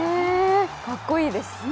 かっこいいです。